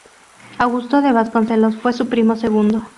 Augusto de Vasconcelos fue su primo segundo.